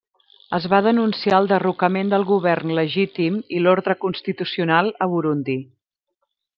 Es va denunciar el derrocament del govern legítim i l'ordre constitucional a Burundi.